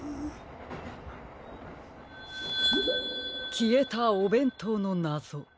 きえたおべんとうのなぞ。